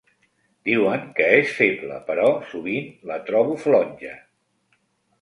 Diuen que és feble, però sovint la trobo flonja.